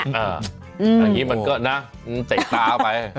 อันนี้มันก็น่าเจ็บตาไป